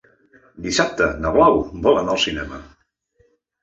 Dissabte na Blau vol anar al cinema.